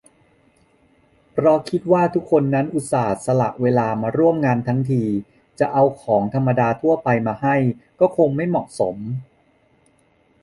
เพราะคิดว่าทุกคนนั้นอุตส่าห์สละเวลามาร่วมงานทั้งที จะเอาของธรรมดาทั่วไปมาให้ก็คงไม่เหมาะสม